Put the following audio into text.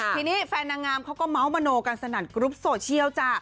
ทีนี้แฟนนางงามเขาก็เมาส์มโนกันสนั่นกรุ๊ปโซเชียลจ้ะ